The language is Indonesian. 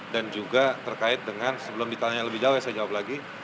dan juga terkait dengan sebelum ditanya lebih jauh ya saya jawab lagi